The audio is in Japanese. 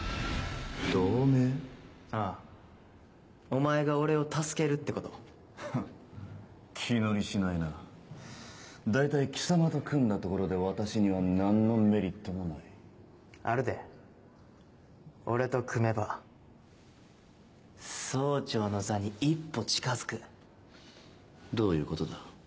お前が俺を助けるってことハッ気乗りしないな大体貴様と組んだところで私には何のあるで俺と組めば総長の座に一歩近づくどういうことだ？